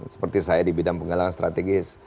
seperti saya di bidang penggalangan strategis